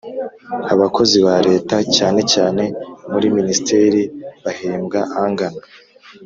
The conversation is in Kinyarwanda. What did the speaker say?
Abakozi ba Leta cyane cyane muri minisiteri bahembwa angana.